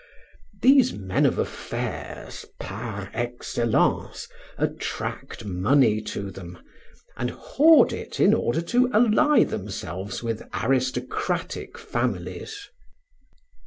These men of affairs, par excellence, attract money to them, and hoard it in order to ally themselves with aristocratic families.